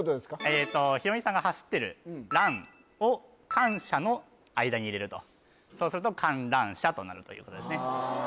えっとヒロミさんが走ってるｒｕｎを感謝の間に入れるとそうすると「かんらんしゃ」となるということですねああ